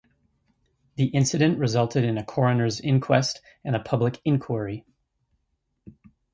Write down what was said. The incident resulted in a coroner's inquest and a public inquiry.